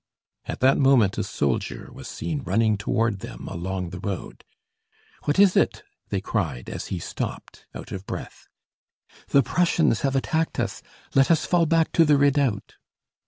At that moment a soldier was seen running toward them along the road. "What is it?" they cried as he stopped, out of breath. "The Prussians have attacked us, let us fall back to the redoubt."